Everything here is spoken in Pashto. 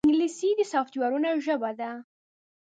انګلیسي د سافټویرونو ژبه ده